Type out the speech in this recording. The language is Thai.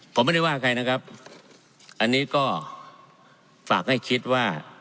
ผมไม่ได้ว่าใครนะครับอันนี้ก็ฝากให้คิดว่า